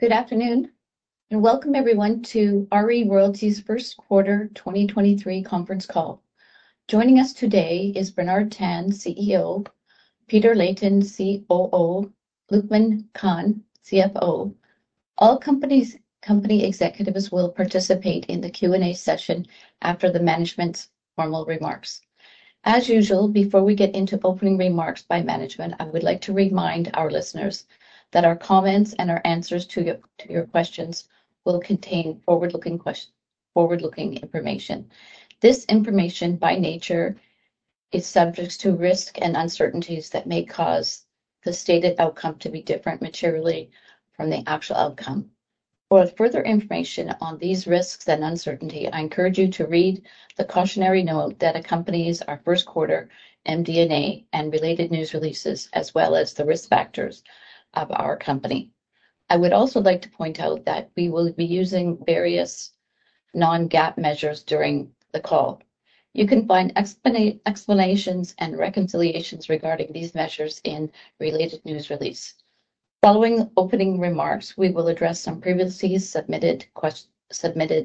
Good afternoon, welcome everyone to RE Royalties Q1 2023 conference call. Joining us today is Bernard Tan, CEO, Peter Leighton, COO, Luqman Khan, CFO. All company executives will participate in the Q&A session after the management's formal remarks. As usual, before we get into opening remarks by management, I would like to remind our listeners that our comments and our answers to your questions will contain forward-looking information. This information, by nature, is subject to risks and uncertainties that may cause the stated outcome to be different materially from the actual outcome. For further information on these risks and uncertainty, I encourage you to read the cautionary note that accompanies our Q1 MD&A and related news releases, as well as the risk factors of our company. I would also like to point out that we will be using various non-GAAP measures during the call. You can find explanations and reconciliations regarding these measures in related news release. Following opening remarks, we will address some previously submitted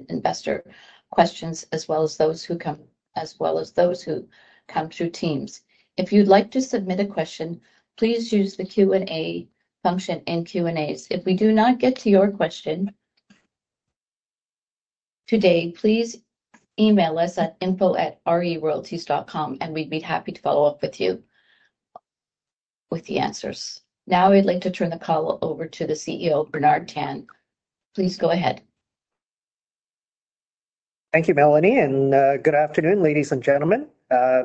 investor questions, as well as those who come through Teams. If you'd like to submit a question, please use the Q&A function in Q&A. If we do not get to your question today, please email us at info@reroyalties.com, and we'd be happy to follow up with you with the answers. Now, I'd like to turn the call over to the CEO, Bernard Tan. Please go ahead. Thank you, Melanee, and good afternoon, ladies and gentlemen.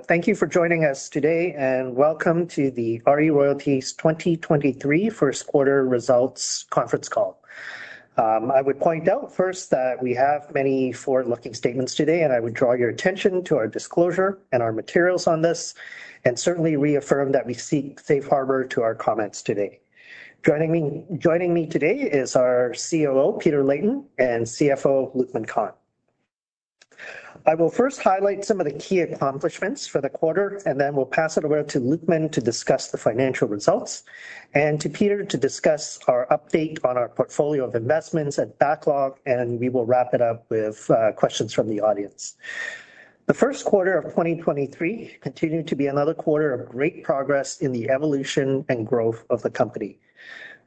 Thank you for joining us today, and welcome to the RE Royalties 2023 first quarter results conference call. I would point out first that we have many forward-looking statements today, and I would draw your attention to our disclosure and our materials on this, and certainly reaffirm that we seek safe harbor to our comments today. Joining me today is our COO, Peter Leighton, and CFO, Luqman Khan. I will first highlight some of the key accomplishments for the quarter, and then we'll pass it over to Luqman to discuss the financial results, and to Peter to discuss our update on our portfolio of investments and backlog, and we will wrap it up with questions from the audience. The first quarter of 2023 continued to be another quarter of great progress in the evolution and growth of the company.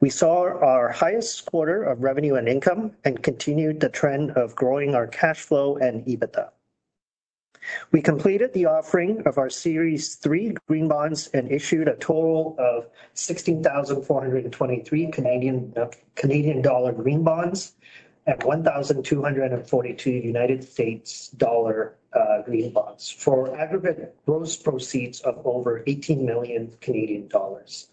We saw our highest quarter of revenue and income and continued the trend of growing our cash flow and EBITDA. We completed the offering of our Series Three Green Bonds and issued a total of 16,423 Canadian dollar Green Bonds at 1,242 United States dollar Green Bonds, for aggregate gross proceeds of over 18 million Canadian dollars.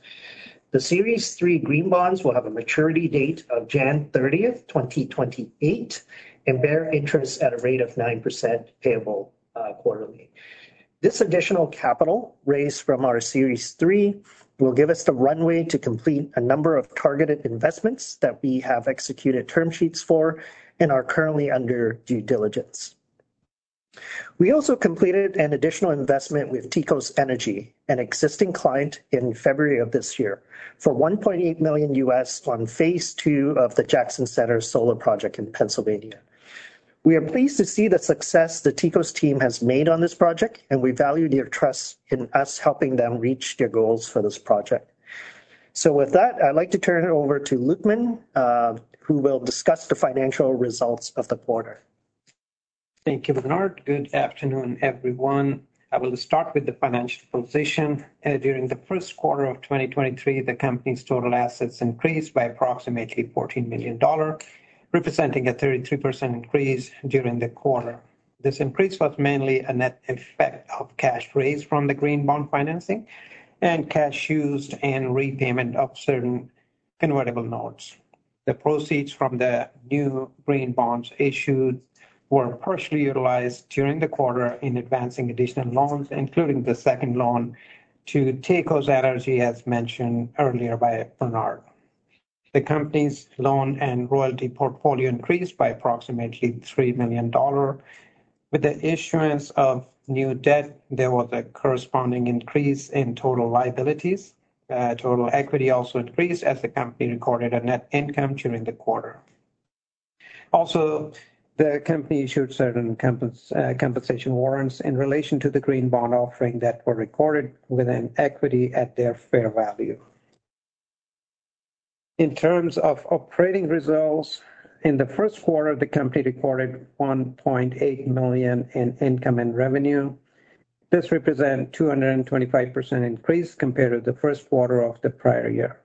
The Series Three Green Bonds will have a maturity date of January 30th, 2028, and bear interest at a rate of 9%, payable quarterly. This additional capital raised from our Series Three will give us the runway to complete a number of targeted investments that we have executed term sheets for and are currently under due diligence. We also completed an additional investment with Teichos Energy, an existing client, in February of this year, for $1.8 million on phase II of the Jackson Center solar project in Pennsylvania. We are pleased to see the success the Teichos team has made on this project, and we value their trust in us helping them reach their goals for this project. With that, I'd like to turn it over to Luqman, who will discuss the financial results of the quarter. Thank you, Bernard. Good afternoon, everyone. I will start with the financial position. During the first quarter of 2023, the company's total assets increased by approximately 14 million dollar, representing a 33% increase during the quarter. This increase was mainly a net effect of cash raised from the Green Bond financing and cash used in repayment of certain convertible notes. The proceeds from the new Green Bonds issued were partially utilized during the quarter in advancing additional loans, including the second loan to Teichos Energy, as mentioned earlier by Bernard. The company's loan and royalty portfolio increased by approximately 3 million dollar. With the issuance of new debt, there was a corresponding increase in total liabilities. Total equity also increased as the company recorded a net income during the quarter. The company issued certain compensation warrants in relation to the Green Bond offering that were recorded within equity at their fair value. In terms of operating results, in the first quarter, the company recorded 1.8 million in income and revenue. This represent 225% increase compared to the first quarter of the prior year.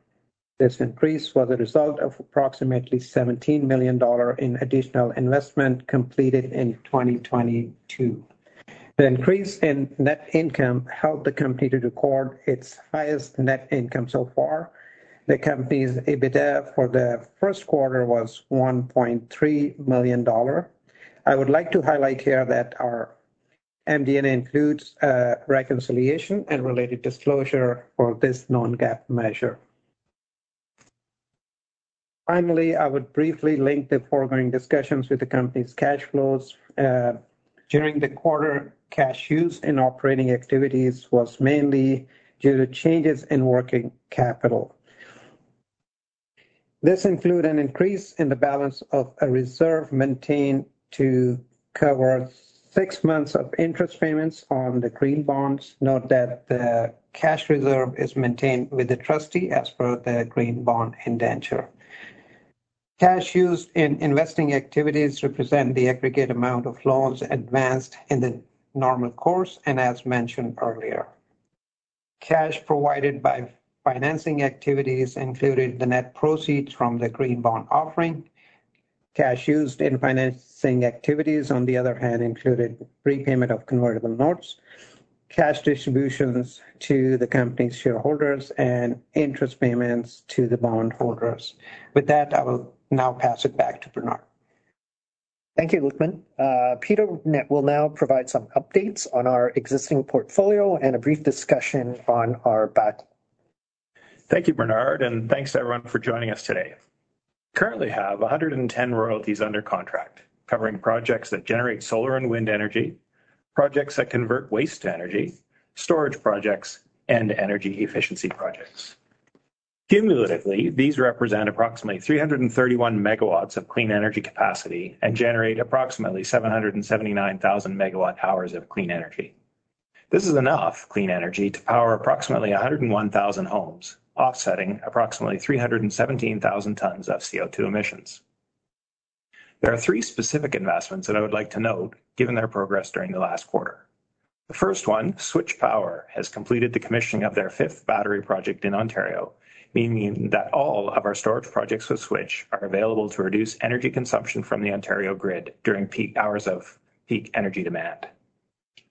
This increase was a result of approximately 17 million dollars in additional investment completed in 2022. The increase in net income helped the company to record its highest net income so far. The company's EBITDA for the first quarter was 1.3 million dollar. I would like to highlight here that our MD&A includes a reconciliation and related disclosure for this non-GAAP measure. I would briefly link the foregoing discussions with the company's cash flows. During the quarter, cash used in operating activities was mainly due to changes in working capital. This include an increase in the balance of a reserve maintained to cover six months of interest payments on the green bonds. Note that the cash reserve is maintained with the trustee as per the green bond trust indenture. Cash used in investing activities represent the aggregate amount of loans advanced in the normal course, and as mentioned earlier. Cash provided by financing activities included the net proceeds from the green bond offering. Cash used in financing activities, on the other hand, included prepayment of convertible notes, cash distributions to the company's shareholders, and interest payments to the bond holders. With that, I will now pass it back to Bernard. Thank you, Luqman. Peter will now provide some updates on our existing portfolio and a brief discussion on our back. Thank you, Bernard, and thanks to everyone for joining us today. Currently have 110 royalties under contract, covering projects that generate solar and wind energy, projects that convert waste to energy, storage projects, and energy efficiency projects. Cumulatively, these represent approximately 331 MW of clean energy capacity and generate approximately 779,000 MW hours of clean energy. This is enough clean energy to power approximately 101,000 homes, offsetting approximately 317,000 tons of CO2 emissions. There are three specific investments that I would like to note, given their progress during the last quarter. The first one, SWITCH Power, has completed the commissioning of their fifth battery project in Ontario, meaning that all of our storage projects with SWITCH are available to reduce energy consumption from the Ontario grid during peak hours of peak energy demand.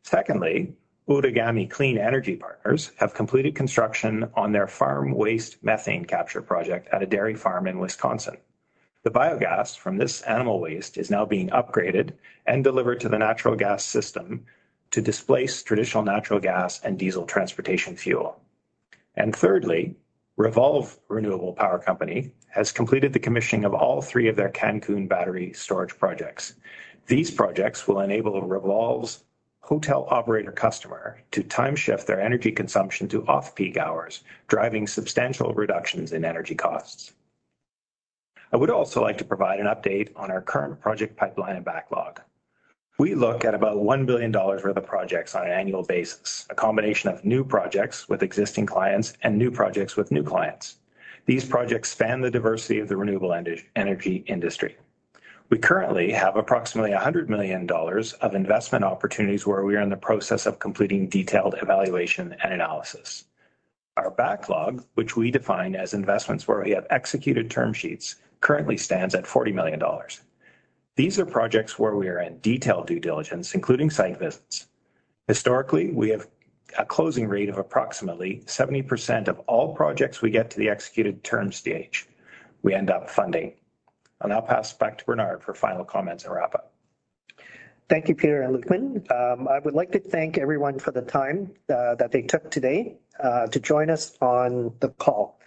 Outagamie Clean Energy Partners have completed construction on their farm waste methane capture project at a dairy farm in Wisconsin. The biogas from this animal waste is now being upgraded and delivered to the natural gas system to displace traditional natural gas and diesel transportation fuel. Thirdly, Revolve Renewable Power Company has completed the commissioning of all three of their Cancun battery storage projects. These projects will enable Revolve's hotel operator customer to time shift their energy consumption to off-peak hours, driving substantial reductions in energy costs. I would also like to provide an update on our current project pipeline and backlog. We look at about 1 billion dollars worth of projects on an annual basis, a combination of new projects with existing clients and new projects with new clients. These projects span the diversity of the renewable energy industry. We currently have approximately 100 million dollars of investment opportunities, where we are in the process of completing detailed evaluation and analysis. Our backlog, which we define as investments where we have executed term sheets, currently stands at 40 million dollars. These are projects where we are in detailed due diligence, including site visits. Historically, we have a closing rate of approximately 70% of all projects we get to the executed term stage, we end up funding. I'll now pass it back to Bernard for final comments and wrap-up. Thank you, Peter and Luqman. I would like to thank everyone for the time that they took today to join us on the call.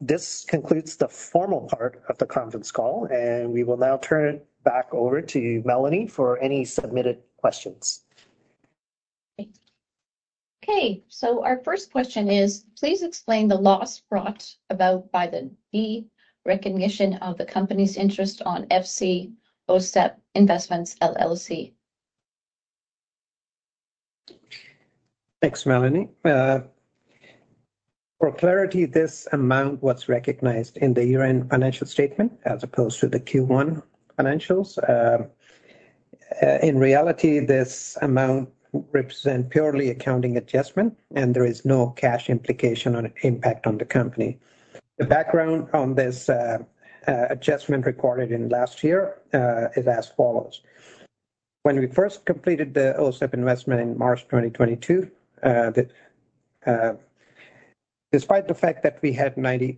This concludes the formal part of the conference call. We will now turn it back over to Melanee for any submitted questions. Thanks. Okay, our first question is: Please explain the loss brought about by the de-recognition of the company's interest on FC OCEP Invest, LLC. Thanks, Melanee. For clarity, this amount was recognized in the year-end financial statement, as opposed to the Q1 financials. In reality, this amount represent purely accounting adjustment, and there is no cash implication or impact on the company. The background on this, adjustment recorded in last year, is as follows: When we first completed the OCEP investment in March 2022. Despite the fact that we had 97%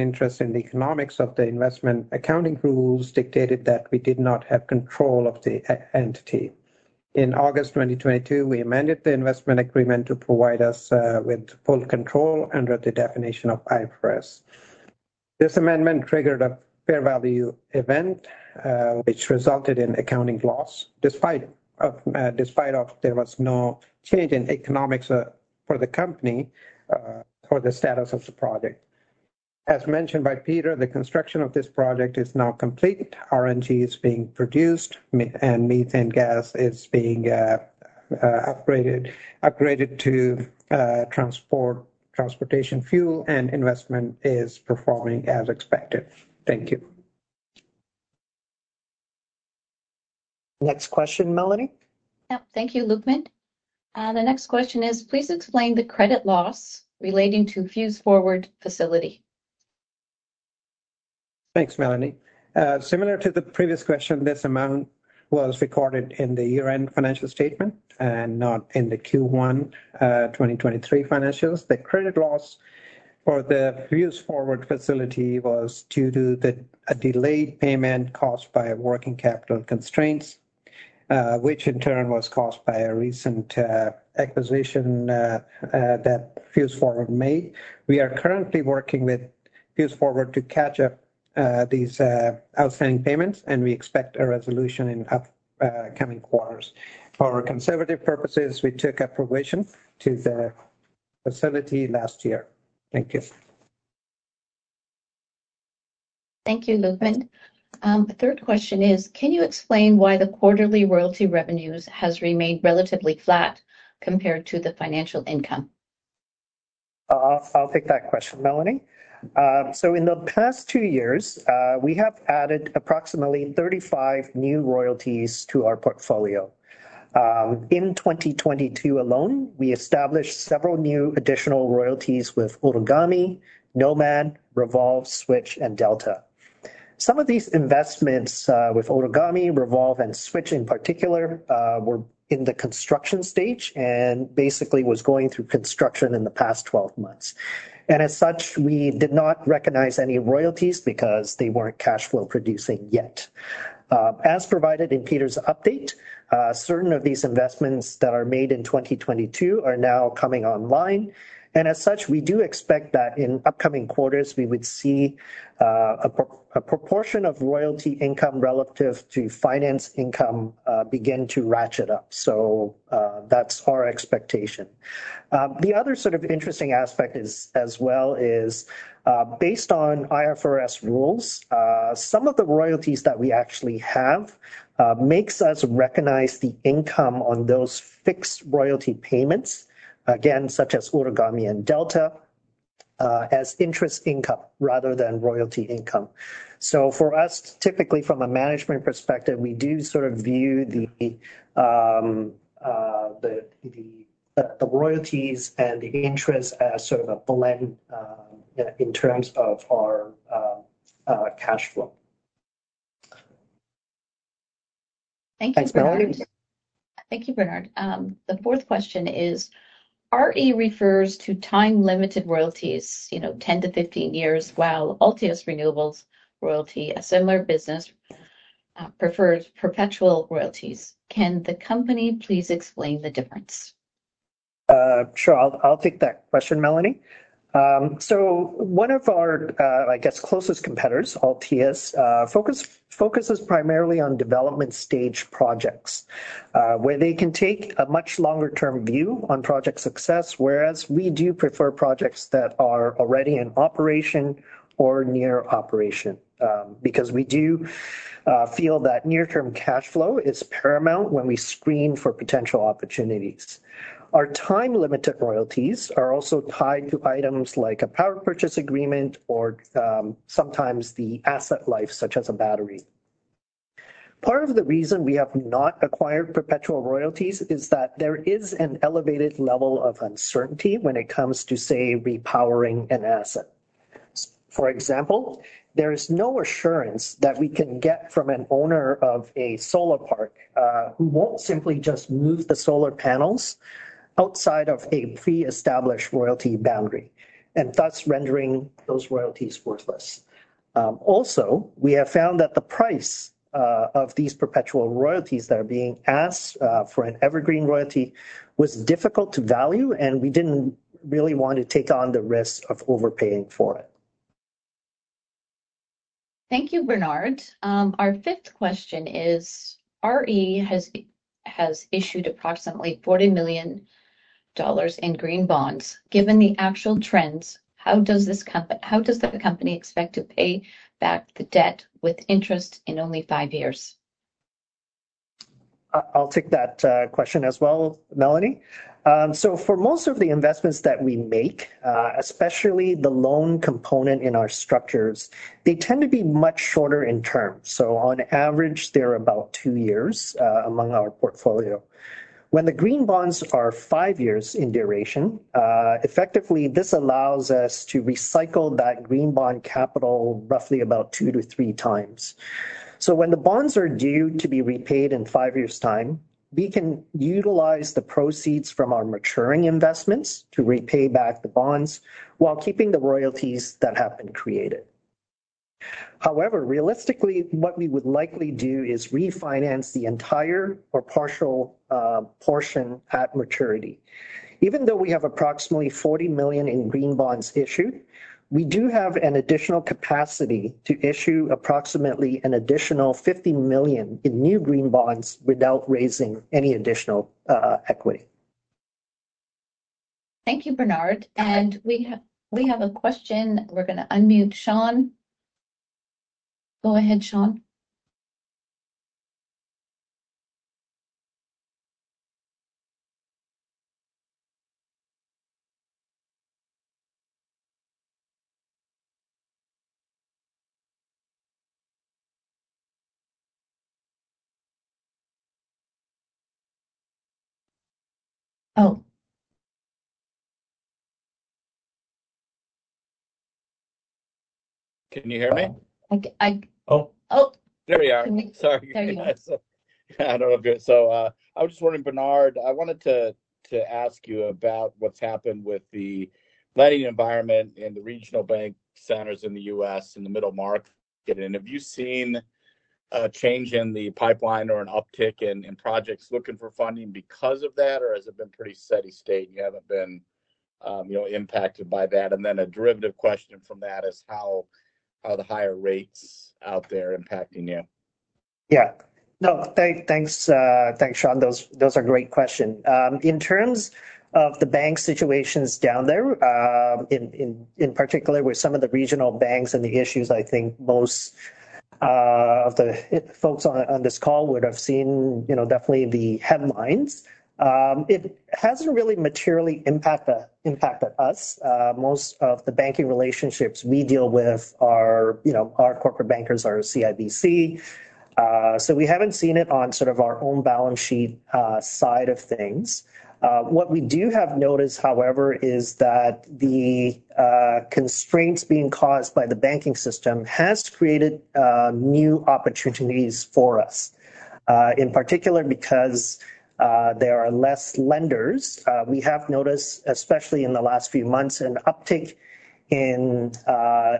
interest in the economics of the investment, accounting rules dictated that we did not have control of the entity. In August 2022, we amended the investment agreement to provide us, with full control under the definition of IFRS. This amendment triggered a fair value event, which resulted in accounting loss, despite of there was no change in economics for the company or the status of the project. As mentioned by Peter, the construction of this project is now complete. RNG is being produced, and methane gas is being upgraded to transportation fuel, and investment is performing as expected. Thank you. Next question, Melanee? Yep. Thank you, Luqman. The next question is: Please explain the credit loss relating to FuseForward facility. Thanks, Melanee. Similar to the previous question, this amount was recorded in the year-end financial statement and not in the Q1, 2023 financials. The credit loss for the FuseForward facility was due to a delayed payment caused by working capital constraints, which in turn was caused by a recent acquisition that FuseForward made. We are currently working with.... moves forward to catch up these outstanding payments. We expect a resolution in coming quarters. For conservative purposes, we took a provision to the facility last year. Thank you. Thank you, Luqman. The third question is, can you explain why the quarterly royalty revenues has remained relatively flat compared to the financial income? I'll take that question, Melanee. In the past two years, we have added approximately 35 new royalties to our portfolio. In 2022 alone, we established several new additional royalties with Outagamie, NOMAD, Revolve, SWITCH, and Delta. Some of these investments, with Outagamie, Revolve, and SWITCH in particular, were in the construction stage and basically was going through construction in the past 12 months. As such, we did not recognize any royalties because they weren't cash flow producing yet. As provided in Peter's update, certain of these investments that are made in 2022 are now coming online, and as such, we do expect that in upcoming quarters, we would see a proportion of royalty income relative to finance income begin to ratchet up. That's our expectation. The other sort of interesting aspect is, as well, is based on IFRS rules, some of the royalties that we actually have, makes us recognize the income on those fixed royalty payments, again, such as Outagamie and Delta, as interest income rather than royalty income. For us, typically from a management perspective, we do sort of view the royalties and the interest as sort of a blend in terms of our cash flow. Thank you, Bernard. Thanks, Melanee. Thank you, Bernard. The fourth question is, RE refers to time-limited royalties, you know, 10 to 15 years, while Altius Renewable Royalties, a similar business, prefers perpetual royalties. Can the company please explain the difference? Sure, I'll take that question, Melanee. One of our, I guess, closest competitors, Altius, focuses primarily on development stage projects, where they can take a much longer-term view on project success, whereas we do prefer projects that are already in operation or near operation. Because we do feel that near-term cash flow is paramount when we screen for potential opportunities. Our time-limited royalties are also tied to items like a power purchase agreement or, sometimes the asset life, such as a battery. Part of the reason we have not acquired perpetual royalties is that there is an elevated level of uncertainty when it comes to, say, repowering an asset. For example, there is no assurance that we can get from an owner of a solar park, who won't simply just move the solar panels outside of a pre-established royalty boundary, and thus rendering those royalties worthless. Also, we have found that the price of these perpetual royalties that are being asked for an evergreen royalty was difficult to value, and we didn't really want to take on the risk of overpaying for it. Thank you, Bernard. Our fifth question is, RE has issued approximately 40 million dollars in green bonds. Given the actual trends, how does the company expect to pay back the debt with interest in only five years? I'll take that question as well, Melanee. For most of the investments that we make, especially the loan component in our structures, they tend to be much shorter in term. On average, they're about two years among our portfolio. When the green bonds are five years in duration, effectively, this allows us to recycle that green bond capital roughly about two to three times. When the bonds are due to be repaid in five years' time, we can utilize the proceeds from our maturing investments to repay back the bonds while keeping the royalties that have been created. However, realistically, what we would likely do is refinance the entire or partial portion at maturity. Even though we have approximately 40 million in green bonds issued, we do have an additional capacity to issue approximately an additional 50 million in new green bonds without raising any additional equity. Thank you, Bernard. We have a question. We're going to unmute Sean. Go ahead, Sean. Oh. Can you hear me? I... Oh. Oh! There we are. Can you- Sorry. Yeah, all good. I was just wondering, Bernard, I wanted to ask you about what's happened with the lending environment and the regional bank centers in the U.S. in the middle market. Have you seen a change in the pipeline or an uptick in projects looking for funding because of that? Has it been pretty steady state, and you haven't been, you know, impacted by that? A derivative question from that is, how are the higher rates out there impacting you? Yeah. No, thanks, Sean. Those are great questions. In terms of the bank situations down there, in particular with some of the regional banks and the issues, I think most of the folks on this call would have seen, you know, definitely the headlines. It hasn't really materially impacted us. Most of the banking relationships we deal with are, you know, our corporate bankers are CIBC. So we haven't seen it on sort of our own balance sheet side of things. What we do have noticed, however, is that the constraints being caused by the banking system has created new opportunities for us. In particular, because there are less lenders. We have noticed, especially in the last few months, an uptick in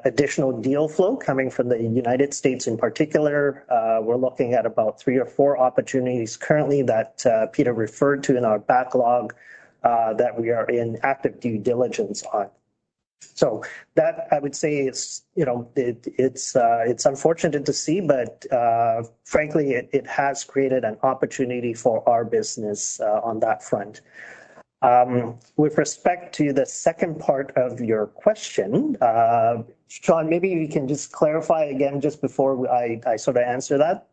additional deal flow coming from the United States in particular. We're looking at about three or four opportunities currently that Peter referred to in our backlog that we are in active due diligence on. That, I would say, is, you know, it's, it's unfortunate to see, but frankly, it has created an opportunity for our business on that front. With respect to the second part of your question, Sean, maybe you can just clarify again just before I sort of answer that.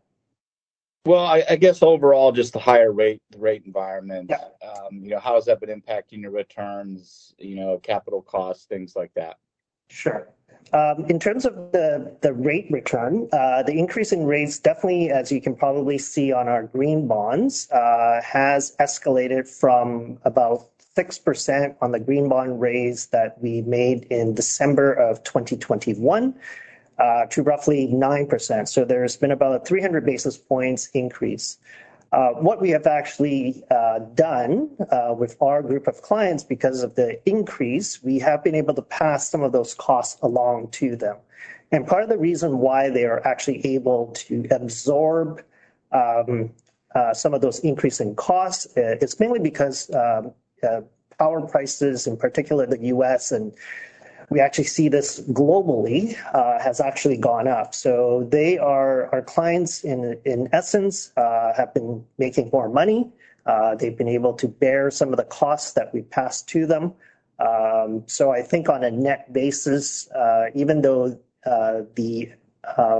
Well, I guess overall, just the higher rate, the rate environment. Yeah. You know, how has that been impacting your returns, you know, capital costs, things like that? Sure. In terms of the rate return, the increase in rates, definitely, as you can probably see on our green bonds, has escalated from about 6% on the green bond raise that we made in December of 2021, to roughly 9%. There's been about a 300 basis points increase. What we have actually done with our group of clients because of the increase, we have been able to pass some of those costs along to them. Part of the reason why they are actually able to absorb some of those increase in costs, is mainly because power prices, in particular the US, and we actually see this globally, has actually gone up. Our clients in essence, have been making more money. They've been able to bear some of the costs that we passed to them. I think on a net basis, even though the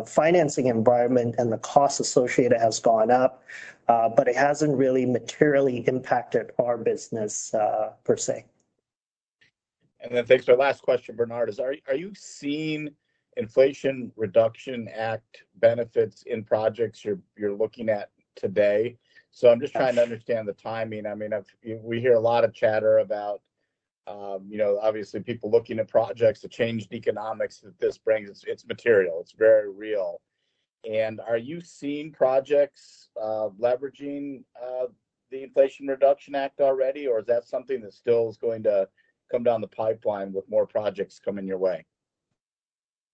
financing environment and the costs associated has gone up, but it hasn't really materially impacted our business, per se. Thanks. Our last question, Bernard, is are you seeing Inflation Reduction Act benefits in projects you're looking at today? I'm just trying to understand the timing. I mean, we hear a lot of chatter about, you know, obviously people looking at projects, the changed economics that this brings. It's material. It's very real. Are you seeing projects, leveraging, the Inflation Reduction Act already, or is that something that still is going to come down the pipeline with more projects coming your way?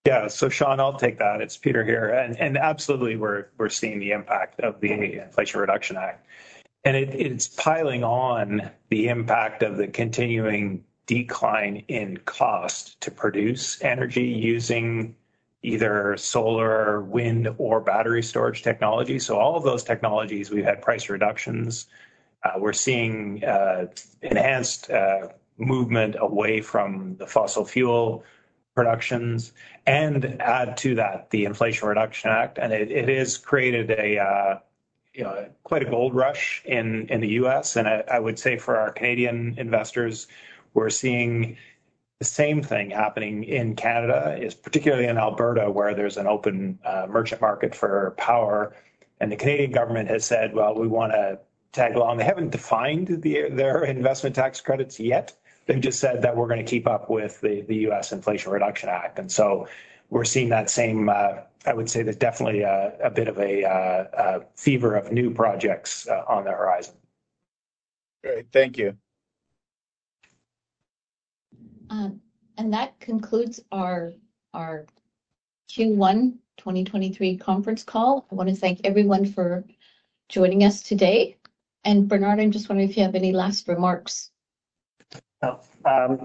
Yeah. Sean, I'll take that. It's Peter here, and absolutely, we're seeing the impact of the Inflation Reduction Act. It's piling on the impact of the continuing decline in cost to produce energy using either solar, wind, or battery storage technology. All of those technologies, we've had price reductions. We're seeing enhanced movement away from the fossil fuel productions. Add to that the Inflation Reduction Act, and it has created a, you know, quite a gold rush in the U.S. I would say for our Canadian investors, we're seeing the same thing happening in Canada, particularly in Alberta, where there's an open merchant market for power. The Canadian government has said, "Well, we wanna tag along." They haven't defined their investment tax credits yet. They've just said that we're gonna keep up with the U.S. Inflation Reduction Act. We're seeing that same. I would say there's definitely a bit of a fever of new projects on the horizon. Great. Thank you. That concludes our Q1 2023 conference call. I want to thank everyone for joining us today. Bernard, I'm just wondering if you have any last remarks?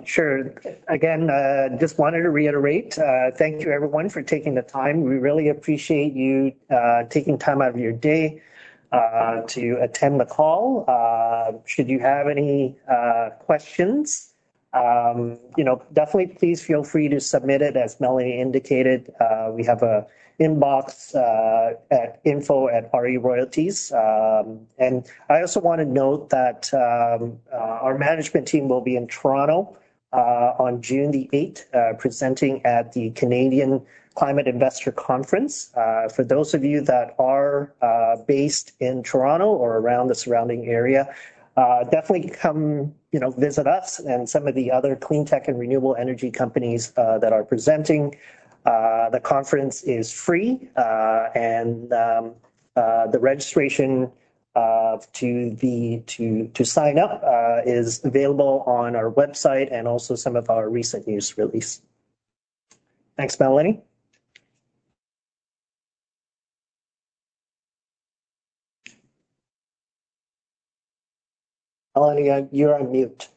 Sure. Again, just wanted to reiterate, thank you everyone for taking the time. We really appreciate you taking time out of your day to attend the call. Should you have any questions, you know, definitely please feel free to submit it. As Melanee indicated, we have a inbox at info@RERoyalties. I also wanna note that our management team will be in Toronto on June the 8th presenting at the Canadian Climate Investor Conference. For those of you that are based in Toronto or around the surrounding area, definitely come, you know, visit us and some of the other clean tech and renewable energy companies that are presenting. The conference is free, and the registration to sign up, is available on our website and also some of our recent news release. Thanks, Melanee. Melanee, you're on mute.